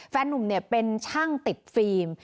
แฟนนุ่มเป็นช่างติดฟิล์ม